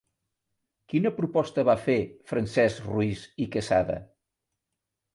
Quina proposta va fer Francesc Ruiz i Quesada?